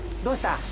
どうした？